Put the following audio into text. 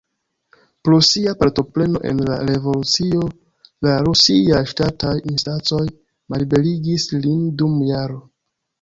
Pro sia partopreno en la revolucio la rusiaj ŝtataj instancoj malliberigis lin dum jaro.